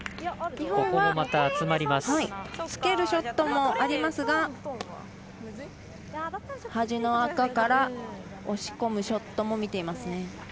日本はつけるショットもありますが端の赤から、押し込むショットも見ていますね。